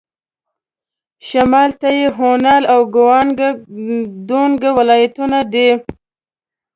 شمال ته یې هونان او ګوانګ دونګ ولايتونه دي.